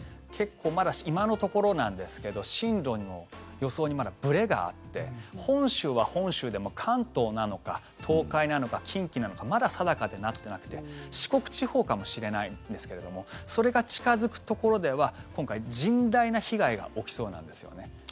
まだ今のところなんですが進路の予想にまだぶれがあって本州は本州でも関東なのか東海なのか、近畿なのかまだ定かになっていなくて四国地方かもしれないんですけどそれが近付くところでは今回、甚大な被害が起きそうなんですよね。